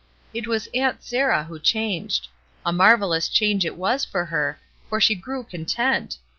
It was Aunt Sarah who changed; n marvellous change it was for her, for she grew content.